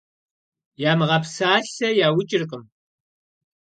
Ямыгъэпсалъэ яукӀыркъым.